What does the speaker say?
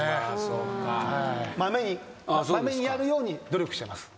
まめにやるように努力してます。